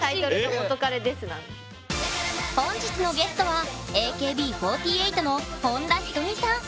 本日のゲストはＡＫＢ４８の本田仁美さん。